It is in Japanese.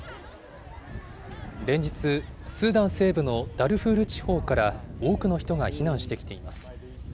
連日、スーダン西部のダルフール地方から多くの人が避難してきています。